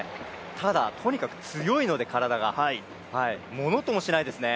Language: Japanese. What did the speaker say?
ただ、とにかく体が強いのでものともしないですね。